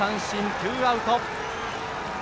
ツーアウト。